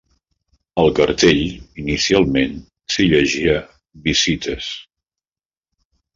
Al cartell, inicialment s'hi llegia "Visites".